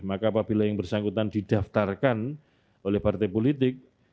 maka apabila yang bersangkutan didaftarkan oleh partai politik